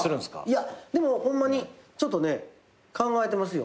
いやでもホンマにちょっとね考えてますよ。